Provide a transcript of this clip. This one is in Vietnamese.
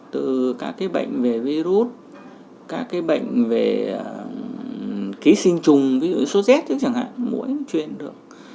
từ các cái bệnh về virus các cái bệnh về ký sinh trùng ví dụ suốt z chẳng hạn mũi truyền được